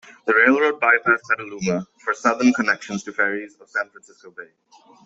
The railroad bypassed Petaluma for southern connections to ferries of San Francisco Bay.